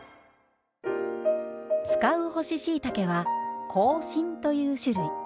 使う干ししいたけは香信という種類。